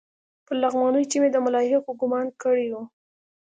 پر نعماني چې مې د ملايکو ګومان کړى و.